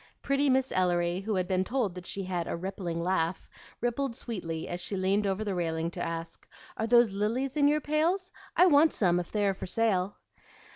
Pretty Miss Ellery, who had been told that she had "a rippling laugh," rippled sweetly as she leaned over the railing to ask, "Are those lilies in your pails? I want some if they are for sale."